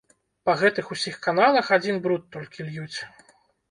Па гэтых усіх каналах адзін бруд толькі льюць!